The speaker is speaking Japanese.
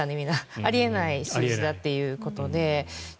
あり得ない数字だということで。